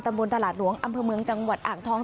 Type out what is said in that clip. บนตลาดหลวงอำเภอเมืองจังหวัดอ่างทอง